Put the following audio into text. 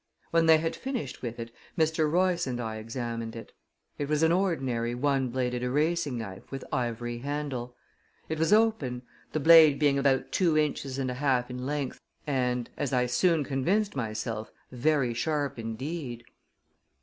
When they had finished with it, Mr. Royce and I examined it. It was an ordinary one bladed erasing knife with ivory handle. It was open, the blade being about two inches and a half in length, and, as I soon convinced myself, very sharp indeed.